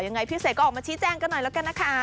ยังไงพี่เสกก็ออกมาชี้แจงกันหน่อยแล้วกันนะคะ